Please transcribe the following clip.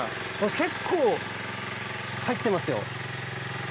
結構入ってますよ。